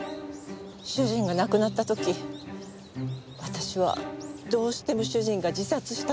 主人が亡くなった時私はどうしても主人が自殺したとは思えず。